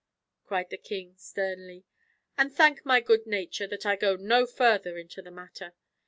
cried the king sternly; "and thank my good nature that I go no further into the matter.